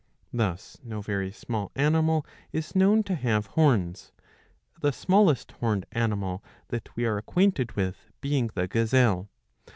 Thus no very small animal is known to have horns, the smallest horned animal that we are acquainted with being the gazelle.